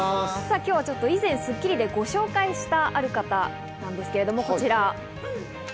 今日は以前『スッキリ』でご紹介したある方なんですが、こちら。